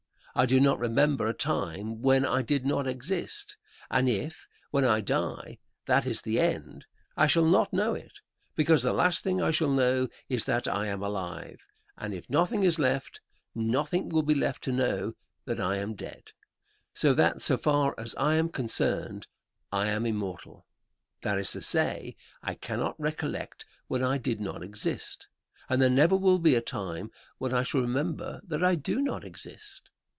I do not remember a time when I did not exist; and if, when I die, that is the end, I shall not know it, because the last thing I shall know is that I am alive, and if nothing is left, nothing will be left to know that I am dead; so that so far as I am concerned I am immortal; that is to say, I cannot recollect when I did not exist, and there never will be a time when I shall remember that I do not exist.